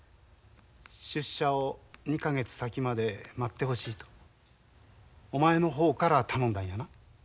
出社を２か月先まで待ってほしいとお前の方から頼んだんやな？